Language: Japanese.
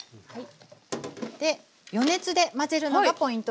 で余熱で混ぜるのがポイントです。